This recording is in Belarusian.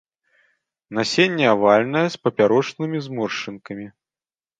Насенне авальнае, з папярочнымі зморшчынкамі.